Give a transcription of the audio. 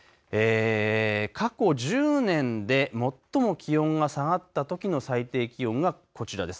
過去１０年で最も気温が下がったときの最低気温がこちらです。